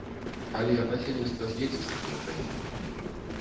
Але насельніцтва з'едзе з такой краіны.